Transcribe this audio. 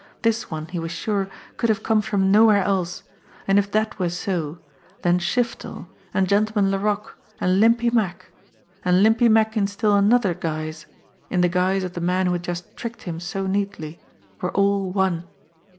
This one, he was sure, could have come from nowhere else ; and, if that were so, then Shiftel, and Gentleman Laroque, and Limpy Mack, and Limpy Mack in still another guise, in the guise of the man who had just tricked him so neatly, were all one.